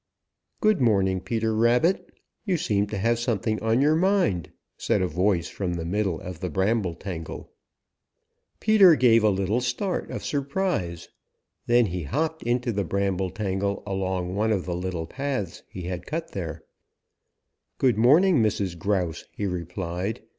"Good morning, Peter Rabbit. You seem to have something on your mind," said a voice from the middle of the bramble tangle. Peter gave a little start of surprise. Then he hopped into the bramble tangle along one of the little paths he had cut there. "Good morning, Mrs. Grouse," he replied.